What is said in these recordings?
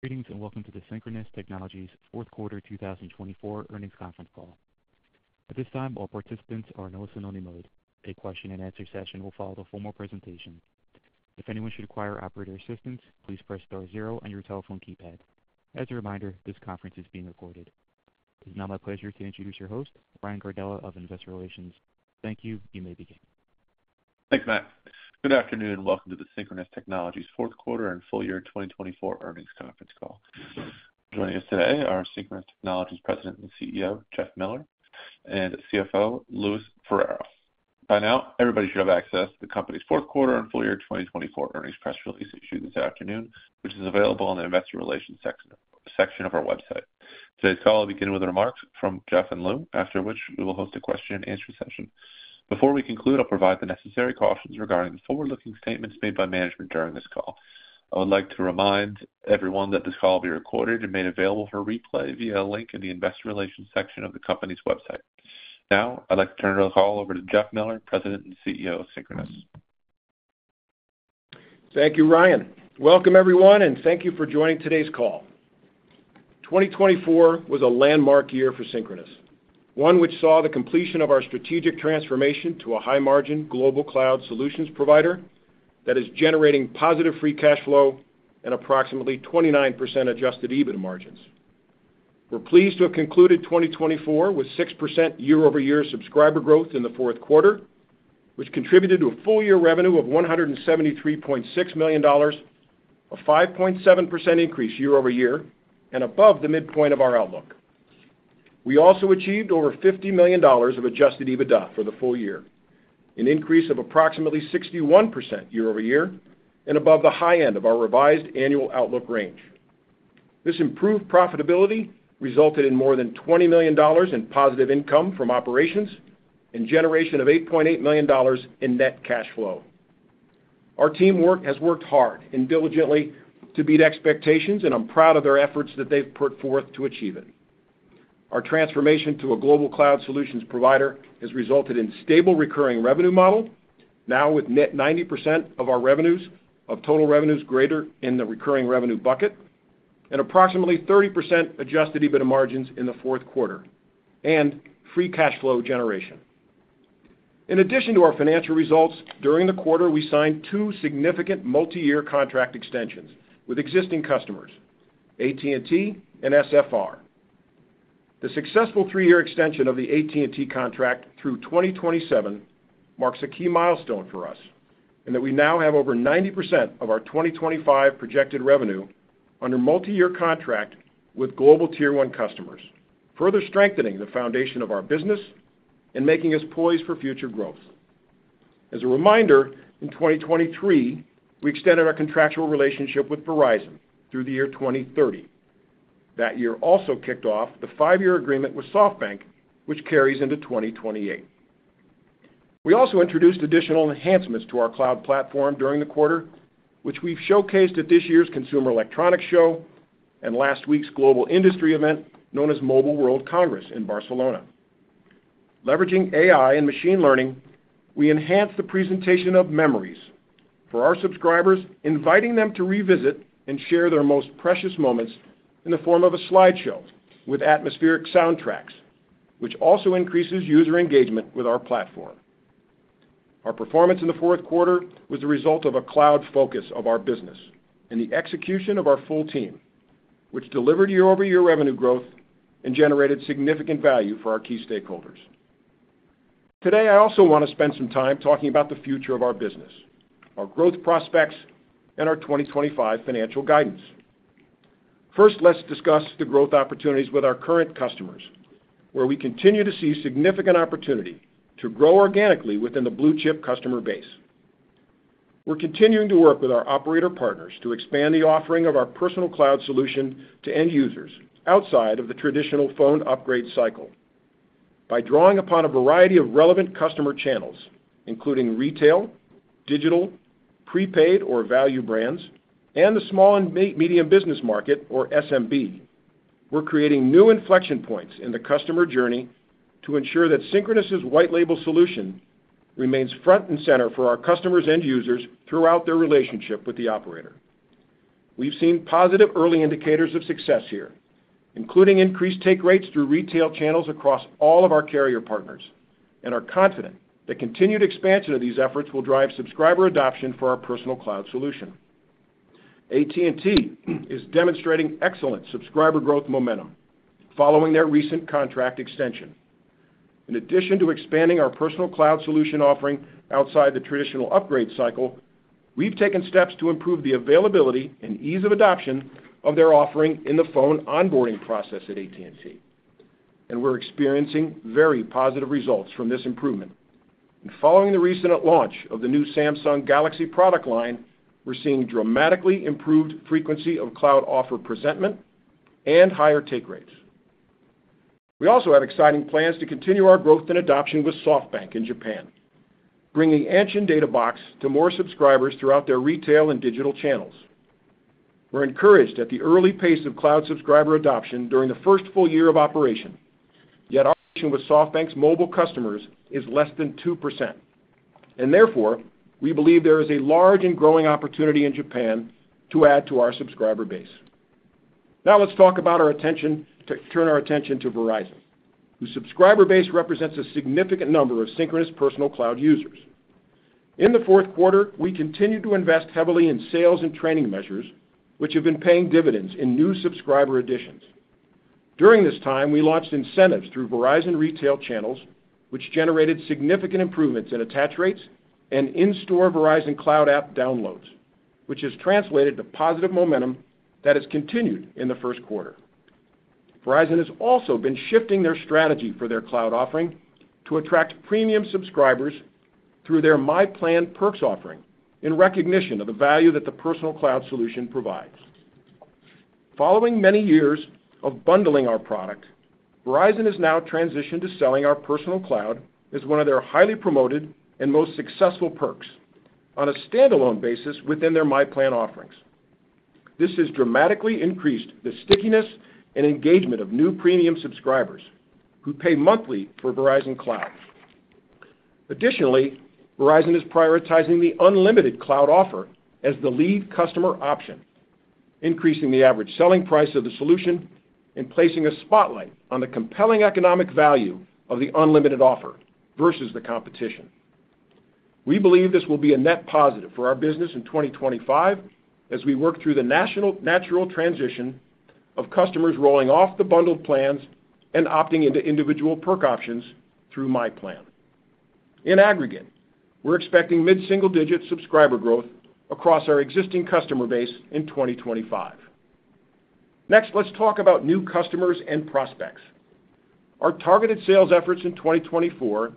Greetings and welcome to the Synchronoss Technologies Fourth Quarter 2024 Earnings Conference Call. At this time, all participants are in listen-only mode. A question-and-answer session will follow the formal presentation. If anyone should require operator assistance, please press Star 0 on your telephone keypad. As a reminder, this conference is being recorded. It is now my pleasure to introduce your host, Ryan Gardella of Investor Relations. Thank you. You may begin. Thanks, Matt. Good afternoon, and welcome to the Synchronoss Technologies fourth quarter and full year 2024 earnings conference call. Joining us today are Synchronoss Technologies' President and CEO, Jeff Miller, and CFO, Louis Ferraro. By now, everybody should have access to the company's fourth quarter and full year 2024 earnings press release issued this afternoon, which is available in the Investor Relations section of our website. Today's call will begin with remarks from Jeff and Lou, after which we will host a question-and-answer session. Before we conclude, I'll provide the necessary cautions regarding the forward-looking statements made by management during this call. I would like to remind everyone that this call will be recorded and made available for replay via a link in the Investor Relations section of the company's website. Now, I'd like to turn the call over to Jeff Miller, President and CEO of Synchronoss. Thank you, Ryan. Welcome, everyone, and thank you for joining today's call. 2024 was a landmark year for Synchronoss, one which saw the completion of our strategic transformation to a high-margin global cloud solutions provider that is generating positive free cash flow and approximately 29% adjusted EBITDA margins. We're pleased to have concluded 2024 with 6% year-over-year subscriber growth in the fourth quarter, which contributed to a full-year revenue of $173.6 million, a 5.7% increase year-over-year, and above the midpoint of our outlook. We also achieved over $50 million of adjusted EBITDA for the full year, an increase of approximately 61% year-over-year, and above the high end of our revised annual outlook range. This improved profitability resulted in more than $20 million in positive income from operations and generation of $8.8 million in net cash flow. Our teamwork has worked hard and diligently to meet expectations, and I'm proud of their efforts that they've put forth to achieve it. Our transformation to a global cloud solutions provider has resulted in a stable recurring revenue model, now with net 90% of our revenues of total revenues greater in the recurring revenue bucket, and approximately 30% adjusted EBITDA margins in the fourth quarter, and free cash flow generation. In addition to our financial results, during the quarter, we signed two significant multi-year contract extensions with existing customers: AT&T and SFR. The successful three-year extension of the AT&T contract through 2027 marks a key milestone for us in that we now have over 90% of our 2025 projected revenue under multi-year contract with global Tier 1 customers, further strengthening the foundation of our business and making us poised for future growth. As a reminder, in 2023, we extended our contractual relationship with Verizon through the year 2030. That year also kicked off the five-year agreement with SoftBank, which carries into 2028. We also introduced additional enhancements to our cloud platform during the quarter, which we've showcased at this year's Consumer Electronics Show and last week's global industry event known as Mobile World Congress in Barcelona. Leveraging AI and machine learning, we enhanced the presentation of Memories for our subscribers, inviting them to revisit and share their most precious moments in the form of a slideshow with atmospheric soundtracks, which also increases user engagement with our platform. Our performance in the fourth quarter was the result of a cloud focus of our business and the execution of our full team, which delivered year-over-year revenue growth and generated significant value for our key stakeholders. Today, I also want to spend some time talking about the future of our business, our growth prospects, and our 2025 financial guidance. First, let's discuss the growth opportunities with our current customers, where we continue to see significant opportunity to grow organically within the blue-chip customer base. We're continuing to work with our operator partners to expand the offering of our Personal Cloud solution to end users outside of the traditional phone upgrade cycle. By drawing upon a variety of relevant customer channels, including retail, digital, prepaid or value brands, and the small and medium business market, or SMB, we're creating new inflection points in the customer journey to ensure that Synchronoss' white-label solution remains front and center for our customers and users throughout their relationship with the operator. We've seen positive early indicators of success here, including increased take rates through retail channels across all of our carrier partners, and are confident that continued expansion of these efforts will drive subscriber adoption for our personal cloud solution. AT&T is demonstrating excellent subscriber growth momentum following their recent contract extension. In addition to expanding our personal cloud solution offering outside the traditional upgrade cycle, we've taken steps to improve the availability and ease of adoption of their offering in the phone onboarding process at AT&T, and we're experiencing very positive results from this improvement. Following the recent launch of the new Samsung Galaxy product line, we're seeing dramatically improved frequency of cloud offer presentment and higher take rates. We also have exciting plans to continue our growth and adoption with SoftBank in Japan, bringing Anshin Data Box to more subscribers throughout their retail and digital channels. We're encouraged at the early pace of cloud subscriber adoption during the first full year of operation, yet our reach with SoftBank's mobile customers is less than 2%. Therefore, we believe there is a large and growing opportunity in Japan to add to our subscriber base. Now, let's turn our attention to Verizon, whose subscriber base represents a significant number of Synchronoss Personal Cloud users. In the fourth quarter, we continue to invest heavily in sales and training measures, which have been paying dividends in new subscriber additions. During this time, we launched incentives through Verizon retail channels, which generated significant improvements in attach rates and in-store Verizon Cloud app downloads, which has translated to positive momentum that has continued in the first quarter. Verizon has also been shifting their strategy for their cloud offering to attract premium subscribers through their myPlan perks offering in recognition of the value that the personal cloud solution provides. Following many years of bundling our product, Verizon has now transitioned to selling our personal cloud as one of their highly promoted and most successful perks on a standalone basis within their myPlan offerings. This has dramatically increased the stickiness and engagement of new premium subscribers who pay monthly for Verizon Cloud. Additionally, Verizon is prioritizing the unlimited cloud offer as the lead customer option, increasing the average selling price of the solution and placing a spotlight on the compelling economic value of the unlimited offer versus the competition. We believe this will be a net positive for our business in 2025 as we work through the natural transition of customers rolling off the bundled plans and opting into individual perk options through myPlan. In aggregate, we're expecting mid-single-digit subscriber growth across our existing customer base in 2025. Next, let's talk about new customers and prospects. Our targeted sales efforts in 2024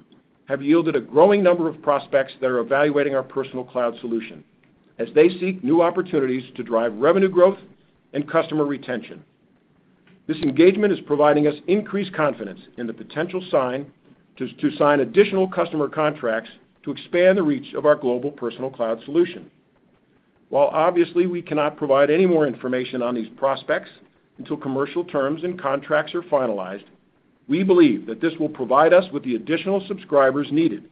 have yielded a growing number of prospects that are evaluating our Personal Cloud solution as they seek new opportunities to drive revenue growth and customer retention. This engagement is providing us increased confidence in the potential to sign additional customer contracts to expand the reach of our global Personal Cloud solution. While obviously we cannot provide any more information on these prospects until commercial terms and contracts are finalized, we believe that this will provide us with the additional subscribers needed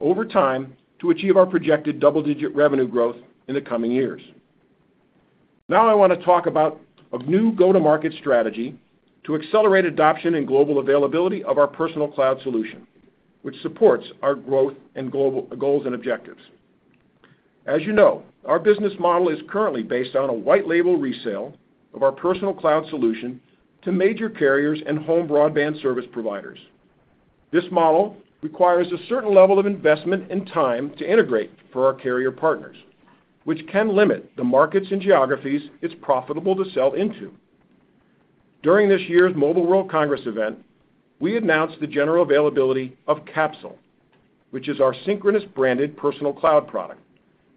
over time to achieve our projected double-digit revenue growth in the coming years. Now, I want to talk about a new go-to-market strategy to accelerate adoption and global availability of our personal cloud solution, which supports our growth and global goals and objectives. As you know, our business model is currently based on a white-label resale of our personal cloud solution to major carriers and home broadband service providers. This model requires a certain level of investment and time to integrate for our carrier partners, which can limit the markets and geographies it's profitable to sell into. During this year's Mobile World Congress event, we announced the general availability of Capsyl, which is our Synchronoss branded personal cloud product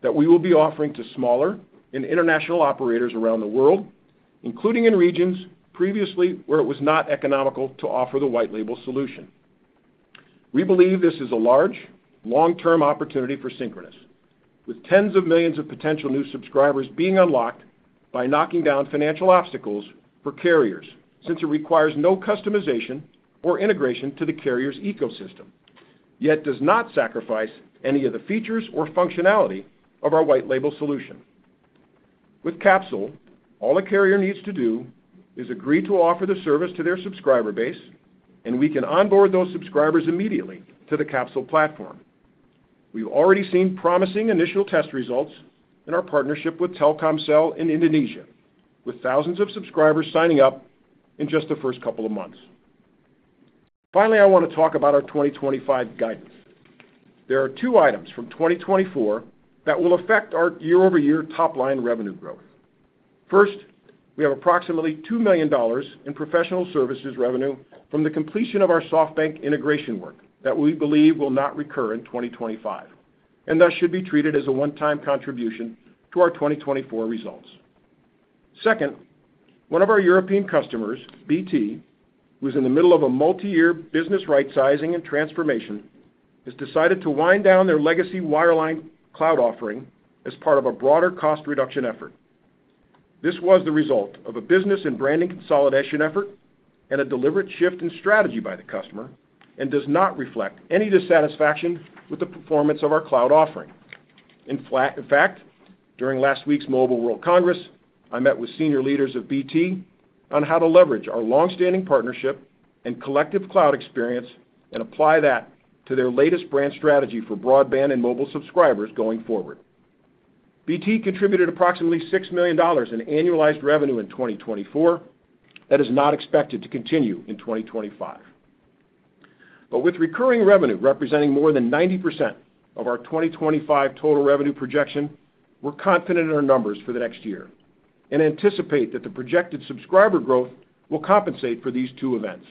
that we will be offering to smaller and international operators around the world, including in regions previously where it was not economical to offer the white-label solution. We believe this is a large, long-term opportunity for Synchronoss, with tens of millions of potential new subscribers being unlocked by knocking down financial obstacles for carriers since it requires no customization or integration to the carrier's ecosystem, yet does not sacrifice any of the features or functionality of our white-label solution. With Capsyl, all a carrier needs to do is agree to offer the service to their subscriber base, and we can onboard those subscribers immediately to the Capsyl platform. We've already seen promising initial test results in our partnership with Telkomsel in Indonesia, with thousands of subscribers signing up in just the first couple of months. Finally, I want to talk about our 2025 guidance. There are two items from 2024 that will affect our year-over-year top-line revenue growth. First, we have approximately $2 million in professional services revenue from the completion of our SoftBank integration work that we believe will not recur in 2025, and thus should be treated as a one-time contribution to our 2024 results. Second, one of our European customers, BT, who is in the middle of a multi-year business rightsizing and transformation, has decided to wind down their legacy wireline cloud offering as part of a broader cost reduction effort. This was the result of a business and branding consolidation effort and a deliberate shift in strategy by the customer and does not reflect any dissatisfaction with the performance of our cloud offering. In fact, during last week's Mobile World Congress, I met with senior leaders of BT on how to leverage our long-standing partnership and collective cloud experience and apply that to their latest brand strategy for broadband and mobile subscribers going forward. BT contributed approximately $6 million in annualized revenue in 2024 that is not expected to continue in 2025. With recurring revenue representing more than 90% of our 2025 total revenue projection, we're confident in our numbers for the next year and anticipate that the projected subscriber growth will compensate for these two events.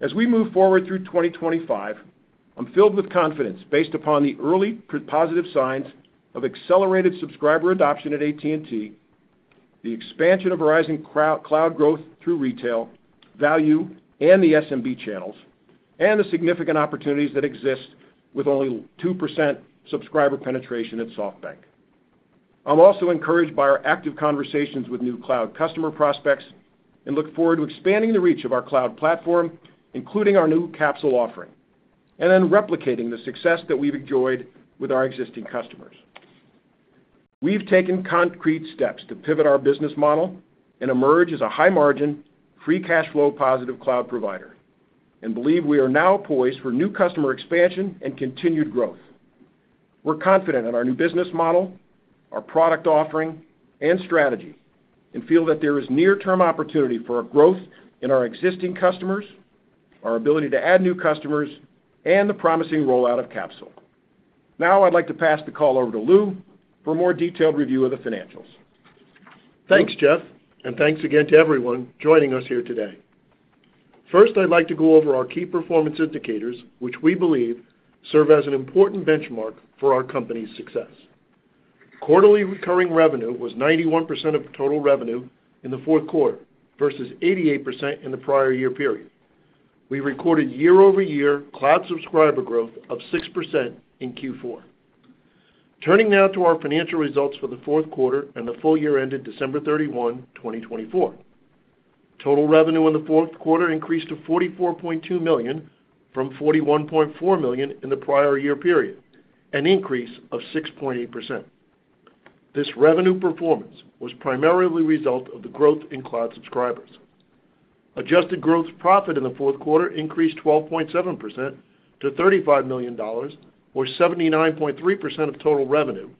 As we move forward through 2025, I'm filled with confidence based upon the early positive signs of accelerated subscriber adoption at AT&T, the expansion of Verizon Cloud growth through retail, value, and the SMB channels, and the significant opportunities that exist with only 2% subscriber penetration at SoftBank. I'm also encouraged by our active conversations with new cloud customer prospects and look forward to expanding the reach of our cloud platform, including our new Capsyl offering, and then replicating the success that we've enjoyed with our existing customers. We've taken concrete steps to pivot our business model and emerge as a high-margin, free cash flow positive cloud provider and believe we are now poised for new customer expansion and continued growth. We're confident in our new business model, our product offering, and strategy, and feel that there is near-term opportunity for our growth in our existing customers, our ability to add new customers, and the promising rollout of Capsyl. Now, I'd like to pass the call over to Lou for a more detailed review of the financials. Thanks, Jeff, and thanks again to everyone joining us here today. First, I'd like to go over our key performance indicators, which we believe serve as an important benchmark for our company's success. Quarterly recurring revenue was 91% of total revenue in the fourth quarter versus 88% in the prior year period. We recorded year-over-year cloud subscriber growth of 6% in Q4. Turning now to our financial results for the fourth quarter and the full year ended December 31, 2024. Total revenue in the fourth quarter increased to $44.2 million from $41.4 million in the prior year period, an increase of 6.8%. This revenue performance was primarily the result of the growth in cloud subscribers. Adjusted gross profit in the fourth quarter increased 12.7% to $35 million, or 79.3% of total revenue,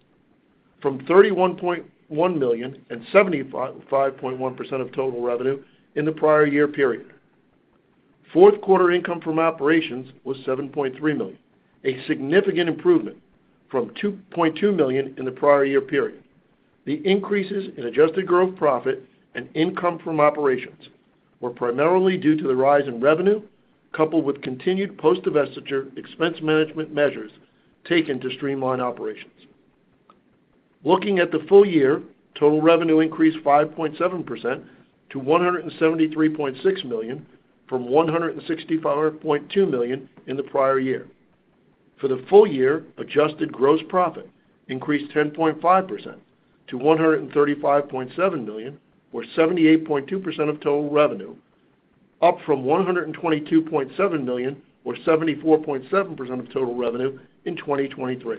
from $31.1 million and 75.1% of total revenue in the prior year period. Fourth quarter income from operations was $7.3 million, a significant improvement from $2.2 million in the prior year period. The increases in adjusted gross profit and income from operations were primarily due to the rise in revenue coupled with continued post-divestiture expense management measures taken to streamline operations. Looking at the full year, total revenue increased 5.7% to $173.6 million from $165.2 million in the prior year. For the full year, adjusted gross profit increased 10.5% to $135.7 million, or 78.2% of total revenue, up from $122.7 million, or 74.7% of total revenue in 2023.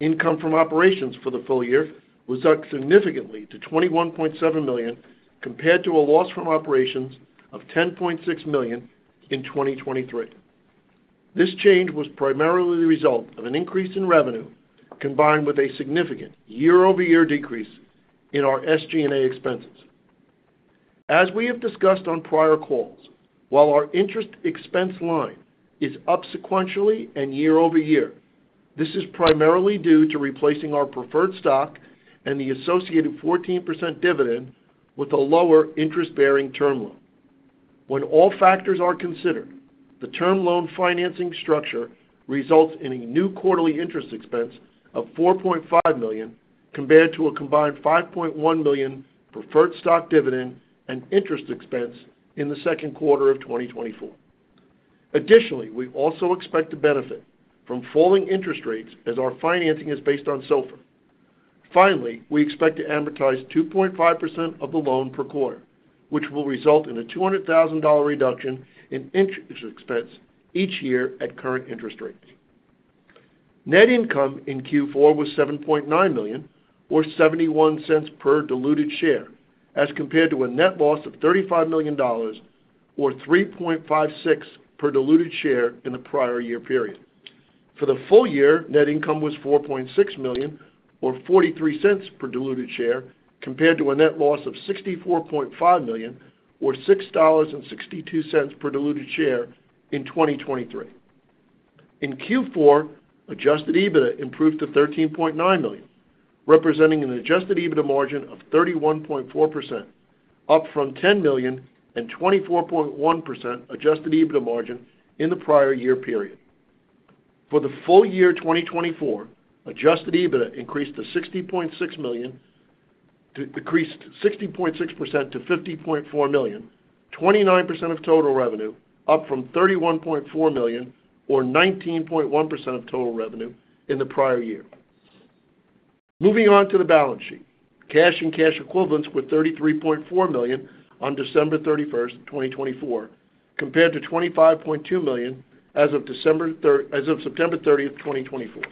Income from operations for the full year was up significantly to $21.7 million compared to a loss from operations of $10.6 million in 2023. This change was primarily the result of an increase in revenue combined with a significant year-over-year decrease in our SG&A expenses. As we have discussed on prior calls, while our interest expense line is up sequentially and year-over-year, this is primarily due to replacing our preferred stock and the associated 14% dividend with a lower interest-bearing term loan. When all factors are considered, the term loan financing structure results in a new quarterly interest expense of $4.5 million compared to a combined $5.1 million preferred stock dividend and interest expense in the second quarter of 2024. Additionally, we also expect to benefit from falling interest rates as our financing is based on SOFR. Finally, we expect to amortize 2.5% of the loan per quarter, which will result in a $200,000 reduction in interest expense each year at current interest rates. Net income in Q4 was $7.9 million, or $0.71 per diluted share, as compared to a net loss of $35 million, or $3.56 per diluted share in the prior year period. For the full year, net income was $4.6 million, or $0.43 per diluted share, compared to a net loss of $64.5 million, or $6.62 per diluted share in 2023. In Q4, adjusted EBITDA improved to $13.9 million, representing an adjusted EBITDA margin of 31.4%, up from $10 million and 24.1% adjusted EBITDA margin in the prior year period. For the full year 2024, adjusted EBITDA increased 60.6% to $50.4 million, 29% of total revenue, up from $31.4 million, or 19.1% of total revenue in the prior year. Moving on to the balance sheet, cash and cash equivalents were $33.4 million on December 31, 2024, compared to $25.2 million as of September 30, 2024.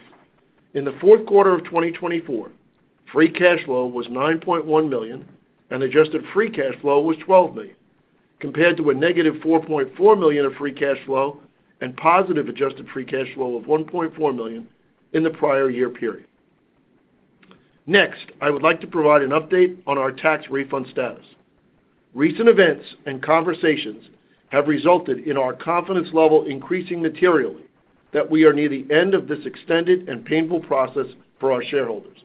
In the fourth quarter of 2024, free cash flow was $9.1 million, and adjusted free cash flow was $12 million, compared to a negative $4.4 million of free cash flow and positive adjusted free cash flow of $1.4 million in the prior year period. Next, I would like to provide an update on our tax refund status. Recent events and conversations have resulted in our confidence level increasing materially that we are near the end of this extended and painful process for our shareholders.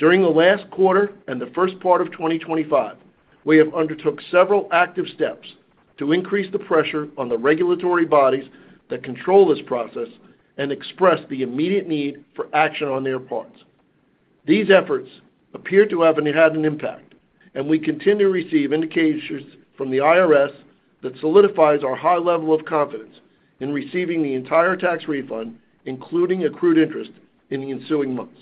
During the last quarter and the first part of 2025, we have undertook several active steps to increase the pressure on the regulatory bodies that control this process and express the immediate need for action on their parts. These efforts appear to have had an impact, and we continue to receive indications from the IRS that solidifies our high level of confidence in receiving the entire tax refund, including accrued interest in the ensuing months.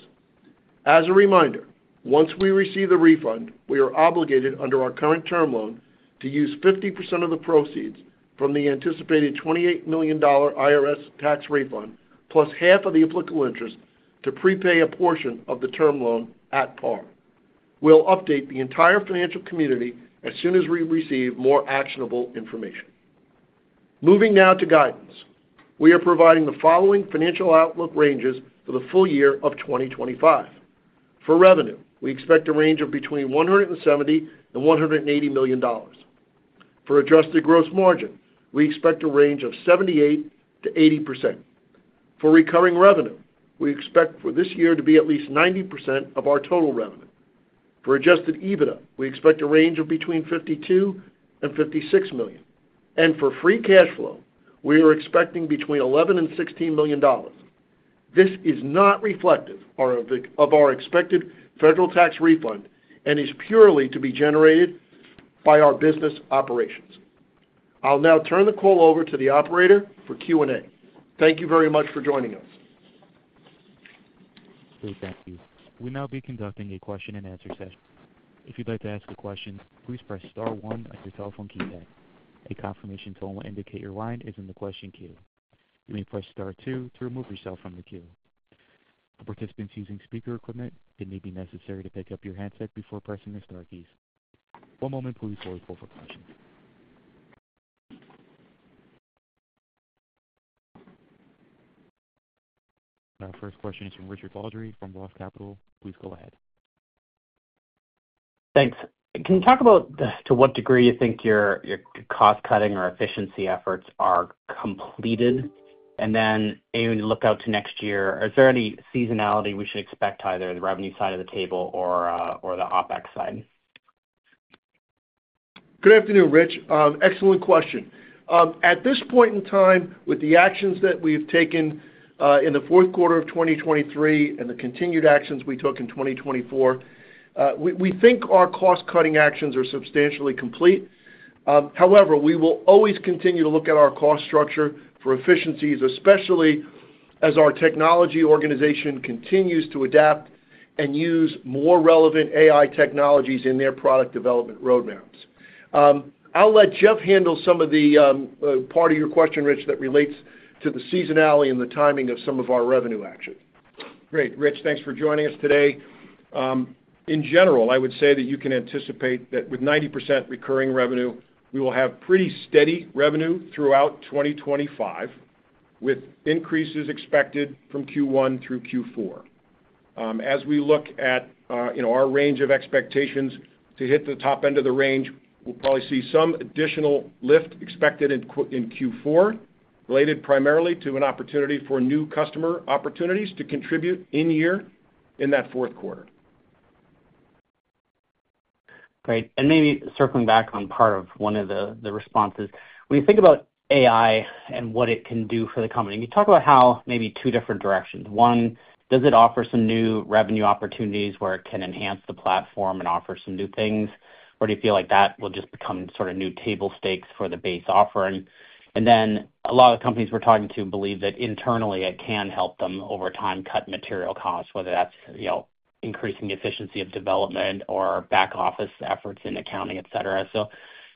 As a reminder, once we receive the refund, we are obligated under our current term loan to use 50% of the proceeds from the anticipated $28 million IRS tax refund, plus half of the applicable interest to prepay a portion of the term loan at par. We'll update the entire financial community as soon as we receive more actionable information. Moving now to guidance, we are providing the following financial outlook ranges for the full year of 2025. For revenue, we expect a range of between $170 million and $180 million. For adjusted gross margin, we expect a range of 78%-80%. For recurring revenue, we expect for this year to be at least 90% of our total revenue. For adjusted EBITDA, we expect a range of between $52 million and $56 million. For free cash flow, we are expecting between $11 million and $16 million. This is not reflective of our expected federal tax refund and is purely to be generated by our business operations. I'll now turn the call over to the operator for Q&A. Thank you very much for joining us. Thank you. We'll now be conducting a question-and-answer session. If you'd like to ask a question, please press Star 1 at your telephone keypad. A confirmation tone will indicate your line is in the question queue. You may press Star 2 to remove yourself from the queue. For participants using speaker equipment, it may be necessary to pick up your handset before pressing the Star keys. One moment, please, for a quick question. Our first question is from Richard Baldry from Roth Capital. Please go ahead. Thanks. Can you talk about to what degree you think your cost-cutting or efficiency efforts are completed? And then look out to next year. Is there any seasonality we should expect either on the revenue side of the table or the OpEx side? Good afternoon, Rich. Excellent question. At this point in time, with the actions that we've taken in the fourth quarter of 2023 and the continued actions we took in 2024, we think our cost-cutting actions are substantially complete. However, we will always continue to look at our cost structure for efficiencies, especially as our technology organization continues to adapt and use more relevant AI technologies in their product development roadmaps. I'll let Jeff handle some of the part of your question, Rich, that relates to the seasonality and the timing of some of our revenue actions. Great. Rich, thanks for joining us today. In general, I would say that you can anticipate that with 90% recurring revenue, we will have pretty steady revenue throughout 2025, with increases expected from Q1 through Q4. As we look at our range of expectations to hit the top end of the range, we'll probably see some additional lift expected in Q4, related primarily to an opportunity for new customer opportunities to contribute in year in that fourth quarter. Great. Maybe circling back on part of one of the responses, when you think about AI and what it can do for the company, can you talk about how maybe two different directions? One, does it offer some new revenue opportunities where it can enhance the platform and offer some new things, or do you feel like that will just become sort of new table stakes for the base offering? A lot of the companies we're talking to believe that internally, it can help them over time cut material costs, whether that's increasing the efficiency of development or back office efforts in accounting, etc.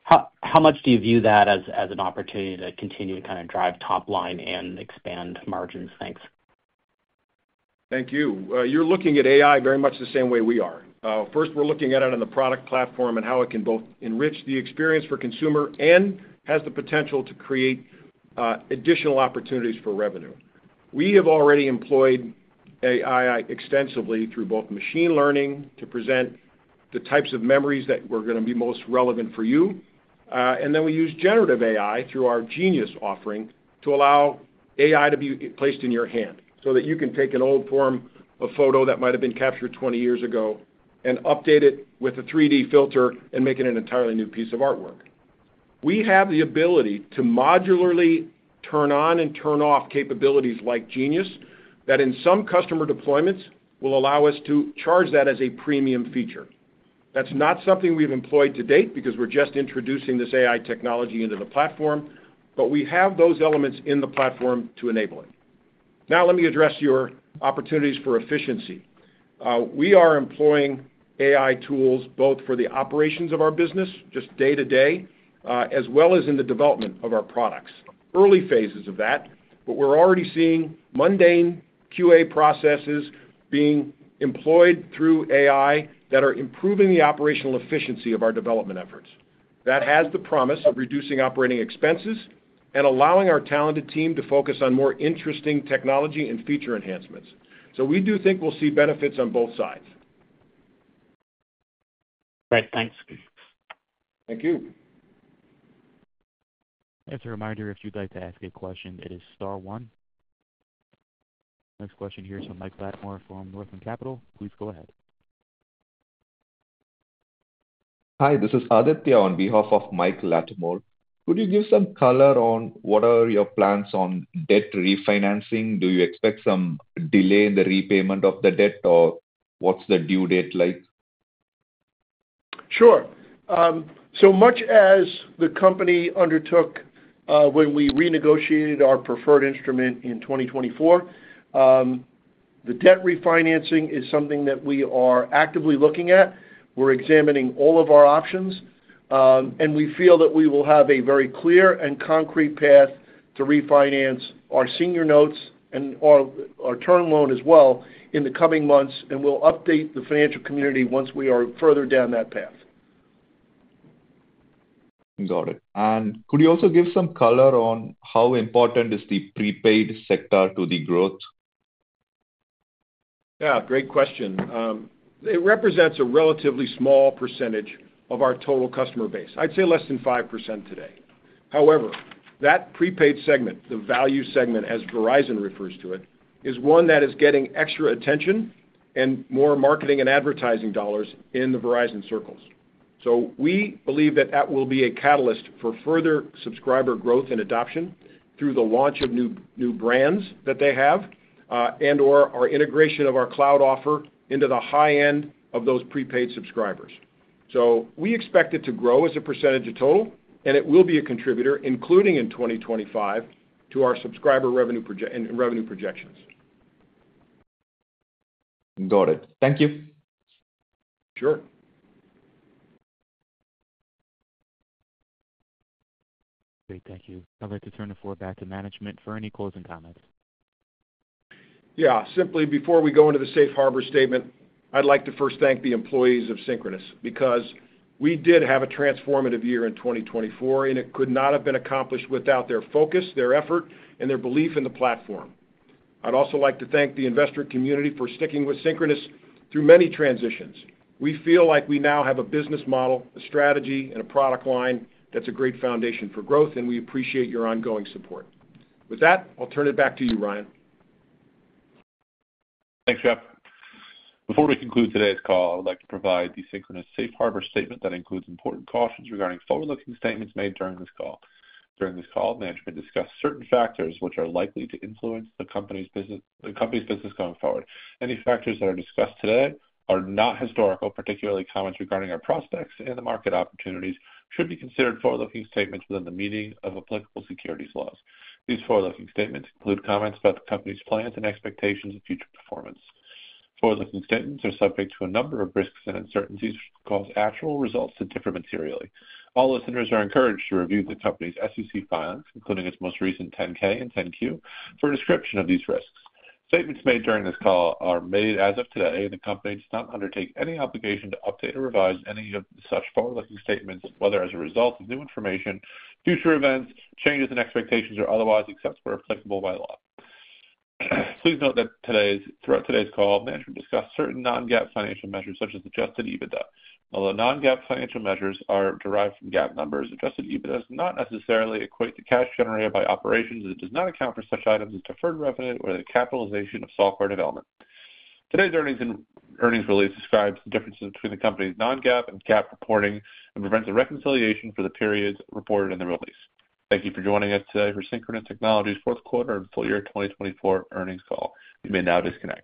How much do you view that as an opportunity to continue to kind of drive top line and expand margins? Thanks. Thank you. You're looking at AI very much the same way we are. First, we're looking at it on the product platform and how it can both enrich the experience for consumer and has the potential to create additional opportunities for revenue. We have already employed AI extensively through both machine learning to present the types of memories that were going to be most relevant for you. We use generative AI through our Genius offering to allow AI to be placed in your hand so that you can take an old form of photo that might have been captured 20 years ago and update it with a 3D filter and make it an entirely new piece of artwork. We have the ability to modularly turn on and turn off capabilities like Genius that in some customer deployments will allow us to charge that as a premium feature. That's not something we've employed to date because we're just introducing this AI technology into the platform, but we have those elements in the platform to enable it. Now, let me address your opportunities for efficiency. We are employing AI tools both for the operations of our business, just day-to-day, as well as in the development of our products. Early phases of that, but we're already seeing mundane QA processes being employed through AI that are improving the operational efficiency of our development efforts. That has the promise of reducing operating expenses and allowing our talented team to focus on more interesting technology and feature enhancements. We do think we'll see benefits on both sides. Great. Thanks. Thank you. As a reminder, if you'd like to ask a question, it is Star 1. Next question here is from Mike Latimore from Northland Capital. Please go ahead. Hi, this is Aditya on behalf of Michael Latimore. Could you give some color on what are your plans on debt refinancing? Do you expect some delay in the repayment of the debt, or what's the due date like? Sure. Much as the company undertook when we renegotiated our preferred instrument in 2024, the debt refinancing is something that we are actively looking at. We're examining all of our options, and we feel that we will have a very clear and concrete path to refinance our senior notes and our term loan as well in the coming months, and we'll update the financial community once we are further down that path. Got it. Could you also give some color on how important is the prepaid sector to the growth? Yeah. Great question. It represents a relatively small percentage of our total customer base. I'd say less than 5% today. However, that prepaid segment, the value segment, as Verizon refers to it, is one that is getting extra attention and more marketing and advertising dollars in the Verizon circles. We believe that that will be a catalyst for further subscriber growth and adoption through the launch of new brands that they have and/or our integration of our cloud offer into the high-end of those prepaid subscribers. We expect it to grow as a percentage of total, and it will be a contributor, including in 2025, to our subscriber revenue projections. Got it. Thank you. Sure. Great. Thank you. I'd like to turn the floor back to management for any closing comments. Yeah. Simply, before we go into the safe harbor statement, I'd like to first thank the employees of Synchronoss because we did have a transformative year in 2024, and it could not have been accomplished without their focus, their effort, and their belief in the platform. I'd also like to thank the investor community for sticking with Synchronoss through many transitions. We feel like we now have a business model, a strategy, and a product line that's a great foundation for growth, and we appreciate your ongoing support. With that, I'll turn it back to you, Ryan. Thanks, Jeff. Before we conclude today's call, I would like to provide the Synchronoss safe harbor statement that includes important cautions regarding forward-looking statements made during this call. During this call, management discussed certain factors which are likely to influence the company's business going forward. Any factors that are discussed today are not historical, particularly comments regarding our prospects and the market opportunities should be considered forward-looking statements within the meaning of applicable securities laws. These forward-looking statements include comments about the company's plans and expectations of future performance. Forward-looking statements are subject to a number of risks and uncertainties which cause actual results to differ materially. All listeners are encouraged to review the company's SEC filings, including its most recent 10-K and 10-Q, for a description of these risks. Statements made during this call are made as of today, and the company does not undertake any obligation to update or revise any of such forward-looking statements, whether as a result of new information, future events, changes in expectations, or otherwise acceptable or applicable by law. Please note that throughout today's call, management discussed certain non-GAAP financial measures such as adjusted EBITDA. Although non-GAAP financial measures are derived from GAAP numbers, adjusted EBITDA does not necessarily equate to cash generated by operations and does not account for such items as deferred revenue or the capitalization of software development. Today's earnings release describes the differences between the company's non-GAAP and GAAP reporting and presents a reconciliation for the periods reported in the release. Thank you for joining us today for Synchronoss Technologies' fourth quarter and full year 2024 earnings call. You may now disconnect.